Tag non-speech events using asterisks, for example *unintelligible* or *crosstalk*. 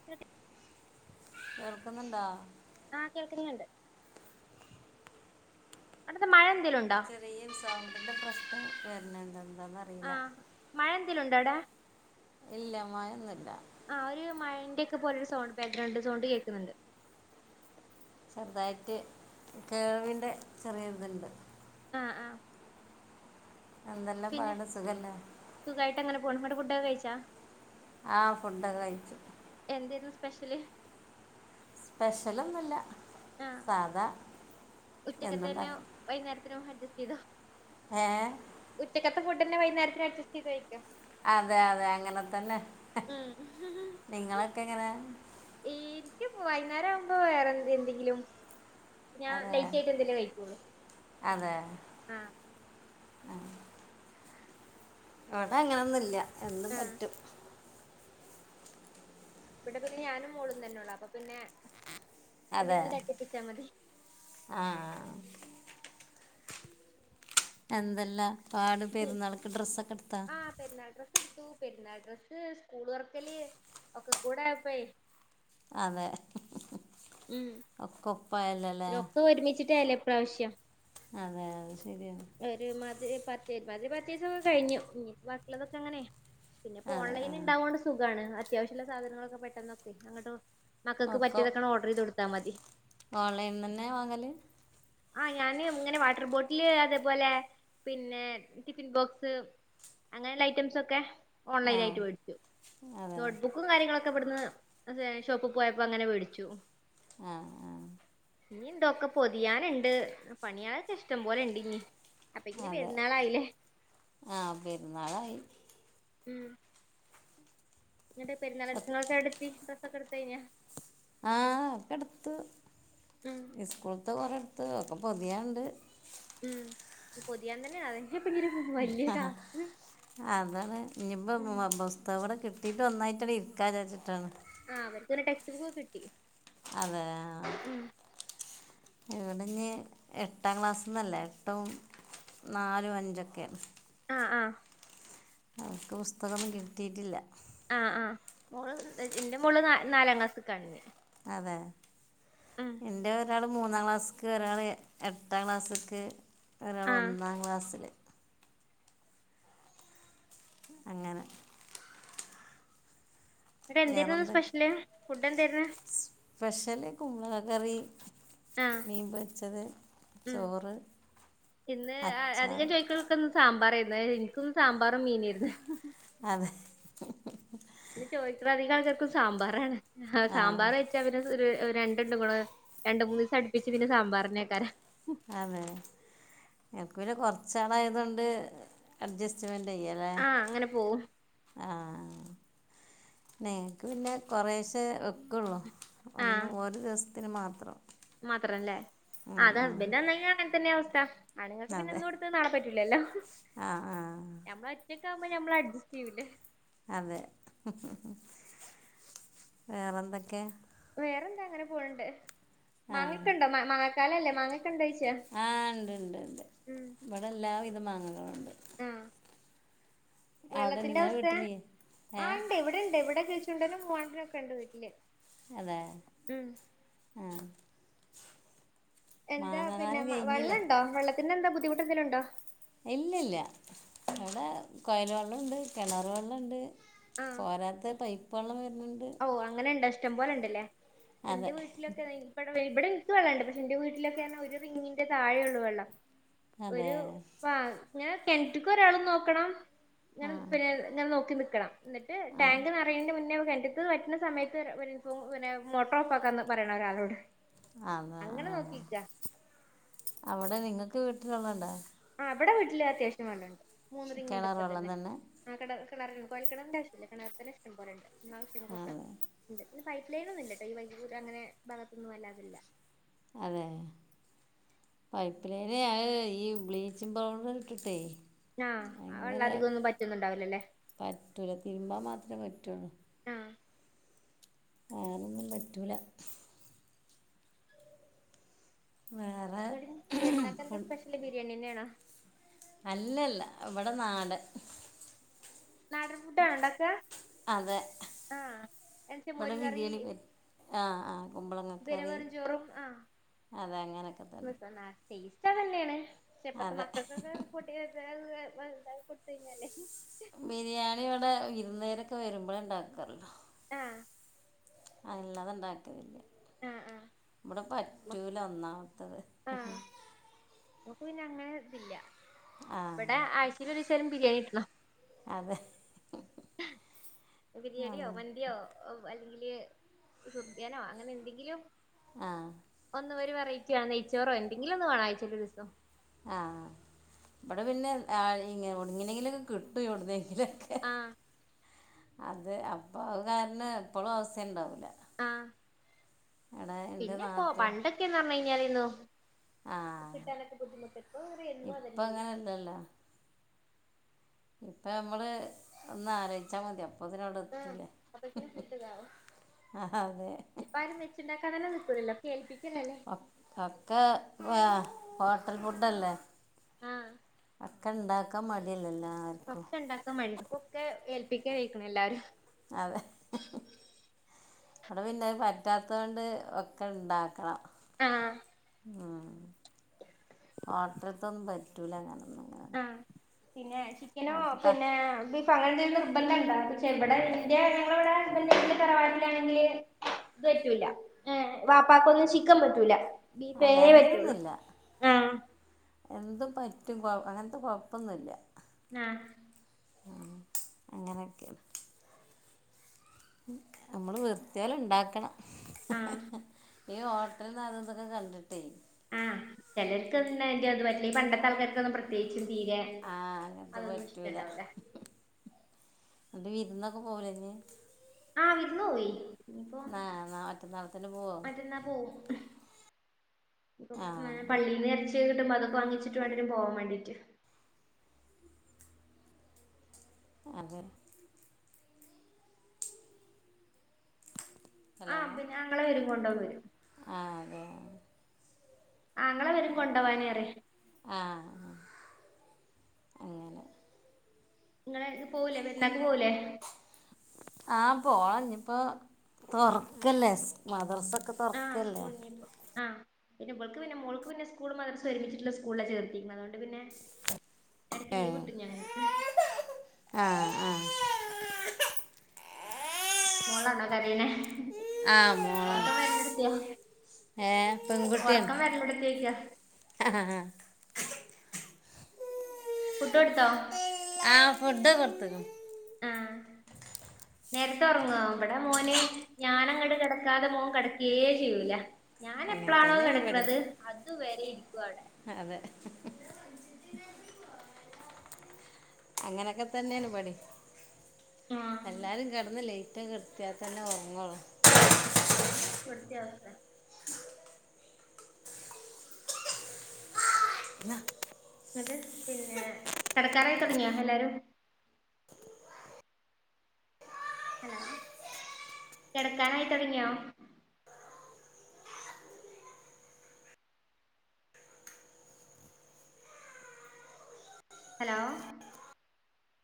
*inaudible* കേൾക്കുന്നുണ്ടാ ആ കേൾക്കുന്നുണ്ട് അണ്ടത്തെ *inaudible* മഴ എന്തേലും ഉണ്ടാ *inaudible* സൗണ്ടിൻ്റെ പ്രശ്നം വരുന്നുണ്ട് എന്താന്ന് അറിയില്ല ആഹ് മഴ എന്തെങ്കിലും ഉണ്ടവിടെ ഇല്ല മഴയൊന്നില്ല ആ ഒരു മഴന്റെ ഒക്കെ പോലൊ ഒരു സൗണ്ട് വരുന്നുണ്ട് സൗണ്ട് കേൾക്കുന്നുണ്ട് ചെറുതായിട്ട് കേൾവിൻ്റെ ചെറിയ ഒരു ഇതുണ്ട് അ ആ എന്തെല്ലാം പാട് സുഖല്ലേ സുഖായിട്ടങ്ങനെ പോണ് ഇങ്ങള് ഫുഡ് ഒക്കെ കഴിച്ചാ ആ ഫുഡൊക്കെ കഴിച്ചു എന്തേരുന്നു സ്പെഷ്യല് സ്പെഷ്യലൊന്നുല്ല ആഹ് സാധാ എന്നുണ്ടാക്കും വൈകുന്നരത്തിനും അഡ്ജസ്റ്റ് ചെയ്തോ ഏ ഉച്ചക്കത്തെ ഫുഡ്ന്നെ വൈന്നേരത്തിന് അഡ്ജസ്റ്റ് ചെയ്ത് കഴിക്കോ അതെ അതെ അങ്ങനെ തന്നെ ഉം നിങ്ങളൊക്കെ എങ്ങനെ എനിക്കിപ്പോ വൈകുന്നേരം ആകുമ്പോ വേറെന്ത എന്തെങ്കിലും ഞാൻ അതെ ലേറ്റ് ആയിട്ട് എന്തെലേ കഴിക്കുള്ളൂ ആ ആഹ ഇവിടെ അങ്ങനെയൊന്നും ഇല്ല എന്തും ആഹ് പറ്റും ഇവിടെ പിന്നെ ഞാനും മോളും തന്നെ ഉള്ളു അപ്പൊ പിന്നെ എന്തെങ്കിലും തട്ടിപ്പിച്ചാ മതി ആഹ് എന്തെല്ലാം പാട് പെരുന്നാൾക്ക് ഡ്രസ്സൊക്കെ എടുത്താ ആഹ് പെരുന്നാൾ ഡ്രസ് എടുത്തു പെരുന്നാൾ ഡ്രസ് സ്കൂൾ തൊർക്കല് ഒക്ക കൂടെ ആയപ്പോ അതെ ഉം ഒക്കെ ഒപ്പായല്ലോല്ലേ ഒകേ ഒരുമിച്ചിട്ടാല്ലേ ഈ പ്രാവശ്യം അതെ അത് ശരിയ ഒരു മതിരി പർചേസിങ്ങ് കേ പത്ത് മതിരി പത്ത് ദിവസം ഒ കഴിഞ്ഞു നീ ബാക്കിയുള്ളതൊക്കെ എങ്ങനെയെ പ്പോ അതെ ആ ഓൺലൈനിൽ ഉണ്ടാവോണ്ട് സുഖാണ് അത്യാവശ്യള്ള സാധനങ്ങളൊക്കെ പെട്ടെന്നൊക്കെ അങ്ങട്ട് മക്കൾക്ക് പറ്റിയതൊകേ ആണ്ട്ഓർഡർ ചെയ്ത് കൊടുതാൽ മതി ഓൺലൈനിന്നന്നെ വാങ്ങല് ആന് ഞാന് ഇങ്ങനെ വാട്ടർ ബോട്ടില് അതേപോലെ പിന്നെ ടിഫിൻ ബോക്സ് അങ്ങനെയുള്ള ഐറ്റംസ് ഒക്കെ ഓൺലൈൻ ആ ആയിട്ട് വേടിക്കും അതെ നോട്ട്ബുക ബുക്കും കാര്യങ്ങളൊക്കെ ഇവിടുന്ന് ഷോപ്പി പോയപ്പോ അങ്ങനെ മേടിച്ചു ആഹ് ആഹ് ഇനീണ്ടൊക്കെ പൊതിയാനുണ്ട് പണിയാളൊക്കെ ഇഷ്ടം പോലെ ഇണ്ട് ഇനിം അപ്പത്തിക്ക്‌ പെരുന്നാളായില്ലേ ആഹ്പെരുന്നാളായി ഉം എന്നിട്ട് എ- പെരുന്നാളൊരുക്കങ്ങളൊക്കെടെത്തി ഡ്രസൊക്കെടുത്തകഴിഞ്ഞ ആഹ് ഒക്കെ എടുത്ത് ഉം സ്കൂളത്ത് കൊറെടുത് ഒക്കെ പൊതിയണ്ട് ഉം പൊതിയൻ തന്നെ ആവേശം ഭയങ്കര ആഹ് അതാണ് ഇനിയിപ്പോ ഉം പുസ്തകവിടെ കിട്ട കിട്ടീട്ട്ന്നായിട്ടടെ ഇരിക്കാ വിചാരിച്ചിട്ടാണ് ആ അവർക്ക് പിന്നെ ടെക്സ്റ്റ് ബുക്കും കിട്ടി അതെ ആഹ് ഉം ആഹ് ഇവിടെ ഞ്ഞി എട്ടാം ക്ലാസ്ന്നല്ലേ എട്ടും നാലും അഞ്ചൊക്കെയാണ് ആഹ് ആഹ് അവർക്ക് പുസ്തകം ഒന്നും കിട്ടിട്ടില്ല ആഹ് ആഹ് മോള് എന്റെ മോള് നാലാം ക്ലാസ്കാണേ അതെ എന്റെ ഒരാള് മൂന്നാം ക്ലാസ്ക്ക് ഒരാൾ എട്ടാം ക്ലാസ്ക്ക് ഒരാൾ ആ ഒന്നാം ക്ലാസ്സിൽ അങ്ങനെ എന്തായിരുന്നു വേറെന്ത് സ്പെഷ്യല് ഫുഡ് എന്തായിരുന്നു സ്പെഷ്യലി കുമ്പളകറി ആ മീൻപൊരിച്ചത് ഉം ചോറ് അച്ചാർ എനിക്ക് സാമ്പാറായിരുന്ന എനിക്കന്നും സാമ്പാറും മീന ആയിരുന്നു അതെ ഇന്ന് ചോദിക്ക അധികം ആൾക്കർക്കും സാമ്പാറ ആണ് ആ സാമ്പാർ വെച്ചാ പി ഒരു രണ്ടുണ്ട് ഇങ്ങ രണ്ട മൂന്ന് ദിവസം അടുപ്പിച്ച് പിന്നെ സാമ്പാറിനെ ആക്കാരെ അതെ എനക്ക് പിന്നെ കൊറച്ചാളായതൊണ്ട് അഡ്ജസ്റ്റ്മെന്റ് ചെയ്യാലേ ആഹ് അങ്ങനെ പോവും ആഹ നിക്ക് പിന്നെ കൊറേ ശേ വെക്കുള്ളു ഒന്ന് ആഹ് ഓരോ ദിവസത്തിന് മാത്രം മാത്രല്ലേ ആ ഉം അത് ഉം ഹസ്ബൻഡ്ന്നന തന്നെ അവസ്ഥ ആണുങ്ങൾക്ക് പിന്നെ അതെ ഇന്നുകൊടുത്ത് നാളെ പറ്റൂലല്ലോ ആ ആ മ്മള ഒറ്റക്കാവുമ്പോ ഞമ്മള് അഡ്ജസ്റ്റ് ചെയൂല്ലേ അതെ. വേറെന്തൊക്ക്യ? വേറെന്താ അങ്ങനെ പോണണ്ട്. ആ മാങ്ങക്കുണ്ടോ? മങ്ങക്കാലല്ലേ മാങ്ങക്കെണ്ടോയ്ച. ആ ഇണ്ട് ണ്ട് ണ്ട്. ഇവിടെ എല്ലാവിധ മാങ്ങകളും ഉണ്ട്. ആഹ് അവിടെ വെള്ളത്തിന്റെ നിങ്ങളെ അവസ്‌തെ? വീട്ടിൽ ആ ഏ ഉണ്ട് ഇവിടെണ്ട്. ഇവിടെ കിളിച്ചുണ്ടനും മുവാണ്ടനും ഒക്കെ ഉണ്ട് വീട്ടില്. അതെ, ഉം ആഹ്. എന്താ പിന്നെ മ വെള്ളംണ്ടോ? വെള്ളത്തിന്റെ എന്താ ബുദ്ധിമുട്ട് എന്തേലും ഉണ്ടോ? ഇല്ലില്ലാ. അവിടെ കൊയൽ വെള്ളംണ്ട് കെണറ് വെള്ളണ്ട്. ആഹ് പോരാത്ത പൈപ്പ് വെള്ളം വര്ന്ണ്ട്. ഓ അങ്ങനെണ്ട ഇഷ്ടംപോലെണ്ടല്ലേ. എന്റെ അതെ വീട്ടിലൊക്കെ *unintelligible* ഇവിടെ എനിക്ക് വെള്ളം ഉണ്ട്. പക്ഷെ എന്റെ വീട്ടിലൊക്കെ ഒരുറിങ്ങിന്റെ താഴേഒള്ളു വെള്ളം. അതെ ഒരു പ ഇങ്ങനെ കെൺറ്റ്ക്ക് ഒരാളും നോക്കണം. ഞൻ ആ പിന്നെ ങ്ങനെ നോക്കി നിക്കണം. എന്നിട്ട് ആ ടാങ്ക് നെറയ്ണീന്റെ മുന്നേ കെൺറ്റ് ഇത് വറ്റുന്ന സമയത്ത് ഒര് പിന്നെ, മോട്ടോർ ഓഫ് ആക്കാ എന്ന് പറയണ ഒരാളോട്. ആങ്ങ അങ്ങനെ ആ. നോക്കിക്ക അവിടെ നിങ്ങൾക്ക് വീട്ടില് വള്ളണ്ട. ആ ഇവിടെ വീട്ടില് അത്യാവശ്യം വള്ളണ്ട്. കെണറ് വെള്ളം തന്നെ. ആ കെണറ് കെണറ് കൊയൽകെണറിന്റെ ആവശ്യല്ല. കിണർ തന്നെ ഇഷ്ടംപോലെണ്ട്. നമ്മടെ ആവശ്യങ്ങൾക്കൊക്കെ, അതെ ഉണ്ട്. പിന്ന പൈപ്പ് ലൈന് ഒന്നുല്ലട്ടോ. ഈ വയ്ക കൂടെ അങ്ങനെ ഭാഗത്തൊന്നും ഇല്ലാതില്ല. അതെ. പൈപ്പ് ലൈന ഈ ബ്ലീച്ചിങ് പൗഡർ ഇട്ടിട്ടേ. ആഹ വെള്ളം അധികൊന്നും പറ്റന്നുംണ്ടാവൂല്ലല്ലേ. പറ്റൂല. തിര്മ്പാ മാത്രെ പറ്റുള്ളൂ. ആ *unintelligible* ന്നും പറ്റൂല. വേറെ. എടി പെര്നാകെന്താ ഫുഡ് സ്പെഷ്യല്, ബിരിയാണിന്നെണാ? അല്ലല്ല ഇവ്ടെ നാടൻ. നാടൻ ഫുഡാണോ ഉണ്ടാക്കുക അതെ. ആഹ് എന്നുവെച്ചാ ഇവിടെ മോര് കറി ബിരിയാണി പറ്റ ആഹ് ആ. കുമ്പളങ്ങ പിന്നെ ക്കറി വെറും ചോറും ആഹ് അതെ അങ്ങനെയൊക്കെ തന്നെ. ടേസ്റ്റ അതന്നെണ്. പക്ഷെ ഇപ്പത്തെ അതെ മക്കൾക്കൊക്കെ പൊട്ടി എന്ത അ വ കൊടുത്തയ് ഞാലെ. ബിരിയാണി ഇവിടെ വിരുന്നേരൊക്കെ വരുമ്പഴാ ഉണ്ടാകൊള്ളു. ആ. അല്ലാതെ ഇണ്ടാക്കലില്ല. ആഹ് ആഹ് ഇവിടെ പറ്റൂല ഒന്നാമത്തത്. ആഹ് നമുക്ക് പിന്നെ അങ്ങനെ ഇതില്ല. ആ ഇവിടെ ആഴ്ചീല് ഒരിസേങ്കിലും ബിരിയാണി കിട്ടണം. അതെ. ആ ബിരിയാണിയോ, മന്തിയോ, ഒ വ അല്ലെങ്കില് സുബ്യാനോ അങ്ങനെ എന്തെങ്കിലും. ആ. ഒന്ന് വരെ വെറൈറ്റി വേണം. നെയ്ച്ചോറോ എന്തെങ്കിലും ഒന്ന് വേണം, ആഴ്ച്ചയിൽ ഒരു ദിവസം. ആ ഇവ്ടെ പിന്നെ ആ ഇ എവുടെന്നെങ്ങനെങ്കിലൊക്കെ കിട്ടും. എവിട്ന്നേങ്കിലൊക്കെ. ആ. അത് അപ്പോ അത് കാരണം എപ്പോഴും ആവുസ്യംഉണ്ടാവൂല. ആ. എൻ്റെ പിന്നെ ഇപ്പോ നാത്തൂൻ പണ്ടൊക്കെന്ന് പറഞ്ഞ് കഴിഞ്ഞാലേയ്ന്നു. ആ കിട്ടാനൊക്കെ ബുദ്ധിമുട്ട്. ഇപ്പോ എന്നും അതന്നെല്ലേ. ഇല്ലല്ലാ. ഇപ്പ നമ്മള് ഒന്ന് ആലോച്ച്ചാ മതി. അപ്പതന്നെ ഇവ്ടെ ആഹ് എത്തൂലേ. അപ്പക്കിനും ആ അതെ. ഇപ്പൊ ആരും വെച്ണ്ടാകാൻ തന്നെ നിക്കണില്ല, എൽപ്പിക്കല്ലല്ലേ. ഒക്ക, വാ ഹോട്ടൽ ഫുഡല്ലേ? ആഹ്, അക്ക ണ്ടാക്കാ മടിയല്ലെ. ല്ലാർ. ഒക്കെണ്ടാകാൻമടി. പൊക്കെ ഏൽപ്പികലായിക്ണ് എല്ലാരും. അതെ. ഇവിടെ പിന്നെ അത് പറ്റാതോണ്ട് ഒക്കെ ണ്ടാക്കണം. ആഹ് ഉം, ഓട്ടൽത്തൊന്നും പറ്റുല. ങ്ങനെ? ആഹ്, പിന്നെ ചിക്കനോ, അവർക്ക് ക പിന്നെ ബി... പ്പ അങ്ങനന്ത നിർബന്ധണ്ട? പക്ഷെ ഇവിടെ ഇന്റെ, ഞങ്ങളവിടെ ഹസ്ബന്ഡ തറവാട്ടിലാണെങ്കി. തറ്റൂല, ഏ, വാപ്പാക്കൊന്നും ചിക്കം പറ്റൂല. ബീഫേ അത് പറ്റുള്ളൂ. അങ്ങനൊന്നുമില്ല ആഹ് എന്തും പറ്റും. കൊ അങ്ങൻ ത്തെ കൊഴപ്പൊന്നുല്ല. ആഹ് അങ്ങനെക്കെണ്. നമ്മള് വൃത്തിയാലണ്ടാക്കണം. ആഹ് ഈ ഹോട്ടൽന്ന് അതു തോക്കെ കണ്ടിട്ടേ. ആഹ്. ചേലോർക്ക് അയിന്റെ ത് പറ്റ ഈ പണ്ടത്തെ ആൾക്കാർക്കൊന്നും, പ്രത്യേകിച്ചും തീരെ... ആഹ്, അങ്ങനത്തെ അതൊന്നും പറ്റൂല. ഇഷ്ടണ്ടാവൂല ന്നട്ട് വിരുന്നൊക്കെ പോവൂല ഞ്ഞി. ആഹ്, വിര്ന്നൊ വൈ പ്പോ, നാ നാ മറ്റന്നാളത്തിന് പോവോ മറ്റന്നാ പോവും. ആ പള്ളീന്ന് ഇറചി കിട്ടുമ്പോ അതൊക്കെ വാങ്ങിച്ചിട്ട് വേണ്ടെരും പോവാൻ വേണ്ടീട്ട്. അതെ. ആഹ്, പിന്നെ ങ്ങള വരും കൊണ്ടോ വരും. ആഹ്, അതെ. ആങ്ങളെ വരും. കൊണ്ടവാനെ അറേ ആഹ് ങ്ങളൊക്കെ പോവൂലേ, പെരുന്നാക്ക് പോവൂലേ? ആഹ്, പോണം. ഞ്ഞിപ്പ തൊർക്കല്ലേ? മദർസൊക്കെ ആഹ് തൊർക്കല്ലേ? സ്കൂൾ ഇനിയിപ്പോ ആഹ്, പിന്നെ ഇപൾക്ക് പിന്നെ മോൾക് പിന്നെ, സ്കൂളും മദ്രസും ഒരുമിച്ചിട്ടുള്ള സ്കൂളില ചേർത്തിക്നത്. അതുകൊണ്ട് പിന്നെ.. എടക്ക് ലീവ് കിട്ടും. ഞങ്ങക്ക് ആഹ് മോളാണോ കരീണെ? ആ മോളാണ് ഒറക്കം വെര്ലൊട്ത്യ, ഏ ഒർക്കംവെര് ലൊട്ത്തിയാ ചോയിക്യ. ഹ, ഹ, ഹ ഫുഡ് കൊടുത്തോ? ആഹ്, ഫുഡ് കൊടുത്തക്ണ്. ആഹ് *inaudible* നേരത്തെ ഒറങ്ങോ? വിടെ മോന് ഞാനങ്ങട് കെടക്കാതെ മോൻ കെ ടക്യേ ചെയ്യൂല. ഞാന് അങ്ങനെ എപ്പളാണോ തന്നെയാണ് പടി കെടക്കണത്. അത് വരെ ഇരിക്കു അവിടെ? അതെ അങ്ങനെക്കെ തന്നണ് ബടിം. ആഹ് എല്ലാരും കെടന്ന് ലേറ്റൊക്ക. കെട്ത്തിയ തന്നെ ഒർങ്ള്ളു. അതെന്നെ, വിടിതി അവസ്ഥ. ന്ന ന്നട്ട് പിന്നെ, കെടക്കാൻ ആയി തൊടങ്ങിയോ? എല്ലാരും. ഹലോ, കെടക്കാനായി തൊടങ്ങിയോ? ഹലോ